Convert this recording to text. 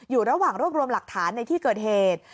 อยู่ระหว่างรวบรวมหลักฐานในที่เกิดเหตุ